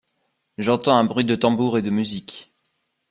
J’entends un bruit de tambour et de musique.